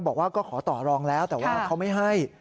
บอกว่าก็ขอต่อรองแล้วแต่ว่าเขาไม่ให้